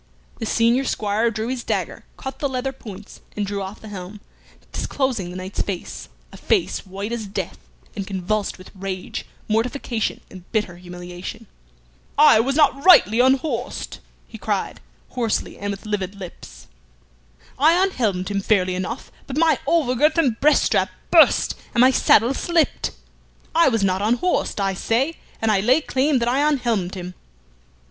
The senior squire drew his dagger, cut the leather points, and drew off the helm, disclosing the knight's face a face white as death, and convulsed with rage, mortification, and bitter humiliation. "I was not rightly unhorsed!" he cried, hoarsely and with livid lips, to the Marshal and his attendants, who had ridden up. "I unhelmed him fairly enough, but my over girth and breast strap burst, and my saddle slipped. I was not unhorsed, I say, and I lay claim that I unhelmed him."